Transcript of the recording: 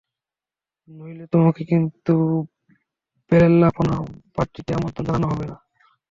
নইলে তোমাকে কিন্তু বেলেল্লাপনা পার্টিতে আমন্ত্রণ জানানো হবে না।